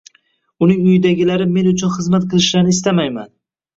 Uning uyidagilari men uchun xizmat qilishlarini istamayman.